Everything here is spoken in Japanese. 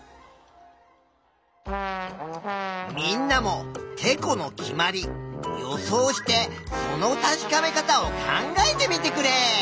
みんなも「てこの決まり」予想してその確かめ方を考えてみてくれ。